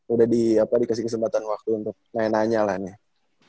udah dikasih kesempatan waktu untuk nanya nanya lah nih